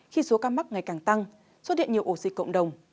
khi số ca mắc ngày càng tăng xuất hiện nhiều ổ dịch cộng đồng